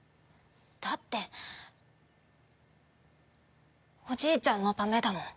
だっておじいちゃんのためだもん。